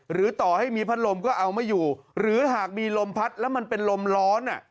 หรือต่อให้มีพัดลมก็เอาไม่อยู่หรือหากมีลมพัดแล้วมันเป็นลมร้อน